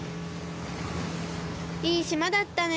いいしまだったね。